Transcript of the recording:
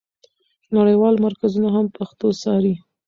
نړیوال مرکزونه هم پښتو څاري.